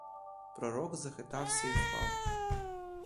Пророк захитався і впав.